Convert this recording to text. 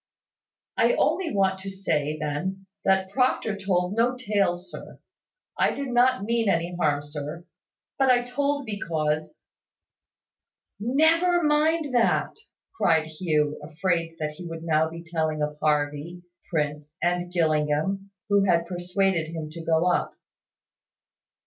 "I only want to say, then, that Proctor told no tales, sir. I did not mean any harm, sir, but I told because " "Never mind that," cried Hugh, afraid that he would now be telling of Harvey, Prince, and Gillingham, who had persuaded him to go up.